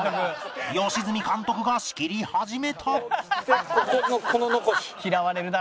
良純監督が仕切り始めた